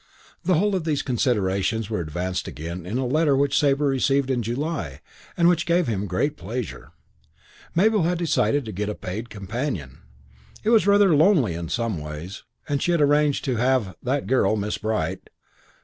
The whole of these considerations were advanced again in a letter which Sabre received in July and which gave him great pleasure. Mabel had decided to get a paid companion it was rather lonely in some ways and she had arranged to have "that girl, Miss Bright."